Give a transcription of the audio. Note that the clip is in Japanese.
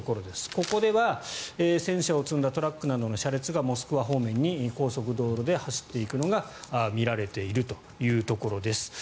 ここでは戦車を積んだトラックなどの車列がモスクワ方面に高速道路で走っていくのが見られているというところです。